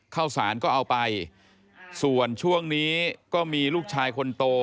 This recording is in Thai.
ข้าวสารก็เอาไปส่วนช่วงนี้ก็มีลูกชายคนโต